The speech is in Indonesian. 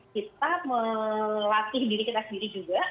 kita melatih diri kita sendiri juga